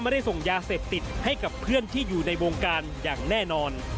ไม่ได้ส่งยาเสพติดให้กับเพื่อนที่อยู่ในวงการอย่างแน่นอน